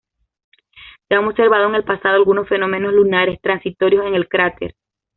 Se han observado en el pasado algunos fenómenos lunares transitorios en el cráter.